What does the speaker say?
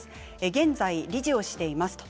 現在、理事をしています。